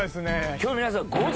今日皆さん。